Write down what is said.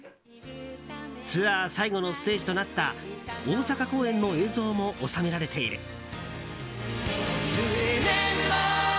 ツアー最後のステージとなった大阪公演の映像も収められている。